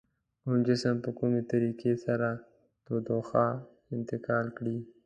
کوم جسم په کومې طریقې سره تودوخه انتقال کړي؟